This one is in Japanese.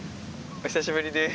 お久しぶりです。